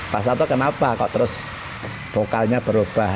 pak sato kenapa kok terus vokalnya berubah